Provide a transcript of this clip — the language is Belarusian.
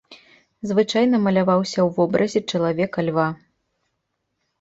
Звычайна маляваўся ў вобразе чалавека-льва.